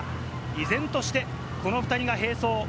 依然としてこの２人が並走。